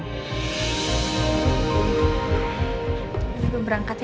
kita berangkat ya